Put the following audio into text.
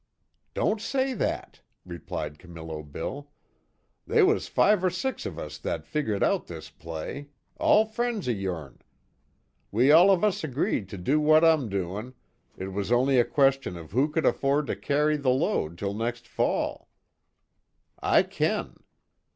"Don't say that," replied Camillo Bill, "they was five or six of us that figgered out this play all friends of yourn. We all of us agreed to do what I'm doin' it was only a question of who could afford to carry the load till next fall. I kin.